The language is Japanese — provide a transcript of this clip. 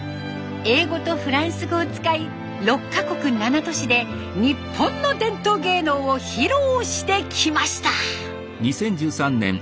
英語とフランス語を使い６か国７都市で日本の伝統芸能を披露してきました。